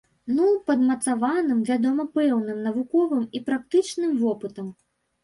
Ну, падмацаваным, вядома, пэўным навуковым і практычным вопытам.